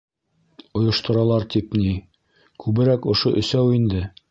Ойошторалар тип, ни, күберәк ошо өсәү инде.